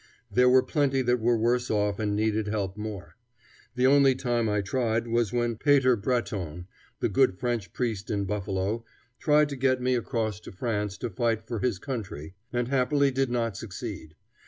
There were plenty that were worse off and needed help more. The only time I tried was when Pater Breton, the good French priest in Buffalo, tried to get me across to France to fight for his country, and happily did not succeed.